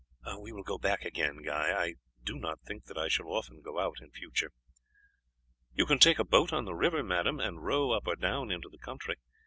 "We will go back again, Guy; I do not think that I shall often go out in future." "You can take a boat on the river, madame, and row up or down into the country.